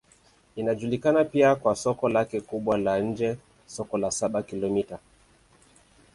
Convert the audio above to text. Inajulikana pia kwa soko lake kubwa la nje, Soko la Saba-Kilomita.